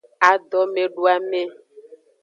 Adomeduame.